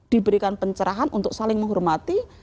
diberikan pencerahan untuk saling menghormati